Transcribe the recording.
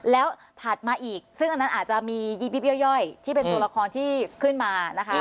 แล้วถัดมาอีกซึ่งอันนั้นอาจจะมียีบิ๊บย่อยที่เป็นตัวละครที่ขึ้นมานะคะ